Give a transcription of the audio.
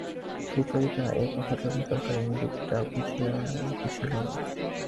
সুচরিতা এ কথাটার ভিতরকার ইঙ্গিতটা বুঝিয়াও বুঝিল না।